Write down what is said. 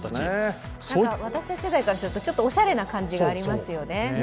私たち世代からすると、ちょっとおしゃれな感じがありますよね。